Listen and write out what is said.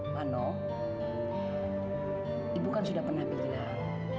pano ibu kan sudah pernah bilang